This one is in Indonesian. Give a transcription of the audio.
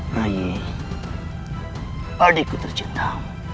rai adikku tercinta